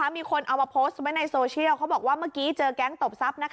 มีคนเอามาโพสต์ไว้ในโซเชียลเขาบอกว่าเมื่อกี้เจอแก๊งตบทรัพย์